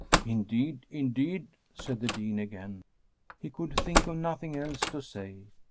Indeed, indeed I ' said the Dean again. He could think of nothing else to say.